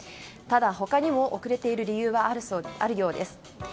ただ、他にも遅れている理由はあるようです。